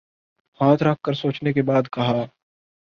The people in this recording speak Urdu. ہاتھ رکھ کر سوچنے کے بعد کہا۔